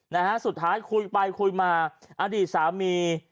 นะฮะสุดท้ายคุยไปคุยมาอดีตสามี